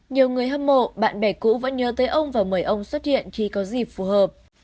nhiều người hâm mộ bạn bè cũ vẫn nhớ tới ông và mời ông xuất hiện khi có dịp phù hợp